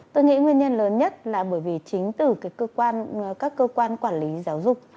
tôi nghĩ nguyên nhân lớn nhất là bởi vì chính từ các cơ quan quản lý giáo dục